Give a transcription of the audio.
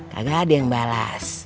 kagak ada yang balas